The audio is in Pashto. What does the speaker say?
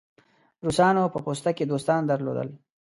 روسانو په پوسته کې دوستان درلودل.